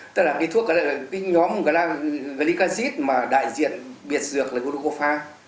tức là thuốc nhóm glicazid mà đại diện biệt dược là glucophag